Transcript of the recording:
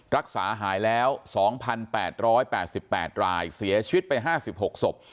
รักษาหายแล้ว๒๘๘รายเสียชีวิตไป๕๖ศพ